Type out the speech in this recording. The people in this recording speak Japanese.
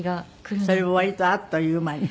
それも割とあっという間に。